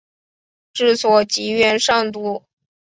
治所即元上都。